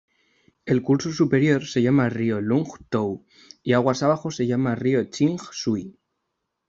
El curso superior se llama río Lung-t'ou, y aguas abajo se llama río Ch'ing-shui.